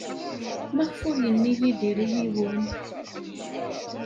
Maɣef ur yenni Yidir i yiwen?